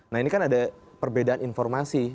nah ini kan ada perbedaan informasi